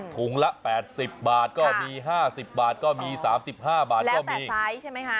ถุงละ๘๐บาทก็มี๕๐บาทก็มี๓๕บาทก็มีใช้ใช่ไหมคะ